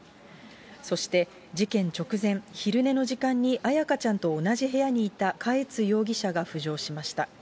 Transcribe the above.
そして、事件直前、昼寝の時間に彩花ちゃんと同じ部屋にいた嘉悦容疑者が浮上しました。